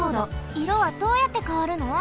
いろはどうやってかわるの？